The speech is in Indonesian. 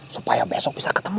supaya besok bisa ketemu